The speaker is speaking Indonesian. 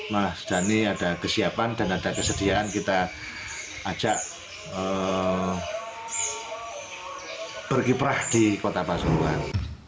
mas dhani ada kesiapan dan ada kesediaan kita ajak berkiprah di kota pasuruan